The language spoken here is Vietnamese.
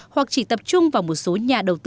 hoặc chỉ tập trung vào một số nhà đầu tư